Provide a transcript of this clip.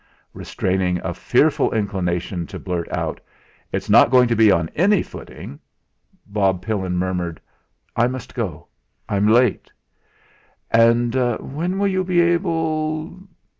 Restraining a fearful inclination to blurt out: "It's not going to be on any footing!" Bob Pillin mumbled: "I must go; I'm late." "And when will you be able